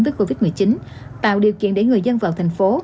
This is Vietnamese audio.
tức covid một mươi chín tạo điều kiện để người dân vào thành phố